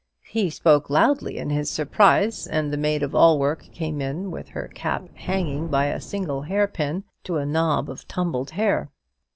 He spoke loudly in his surprise; and the maid of all work came in with her cap hanging by a single hair pin to a knob of tumbled hair.